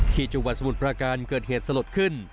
ที่จังหวัดสมุทรปราการเกิดเหตุสลดขึ้น